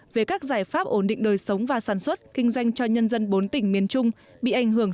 về các giải pháp ổn định đời sống và sản xuất kinh doanh cho nhân dân bốn tỉnh miền trung bị ảnh hưởng